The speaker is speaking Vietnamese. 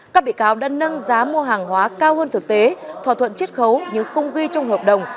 các bị cáo đã nâng giá mua hàng hóa cao hơn thực tế thỏa thuận chết khấu nhưng không ghi trong hợp đồng